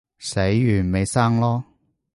死完咪生囉